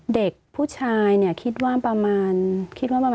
เด็กผู้ชายคิดว่าประมาณ๗๘ขวบ